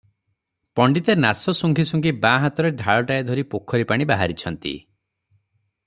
ପଣ୍ତିତେ ନାଶ ସୁଙ୍ଘି ସୁଙ୍ଘି ବାଁ ହାତରେ ଢାଳଟିଏ ଧରି ପୋଖରୀପାଣି ବାହାରିଛନ୍ତି ।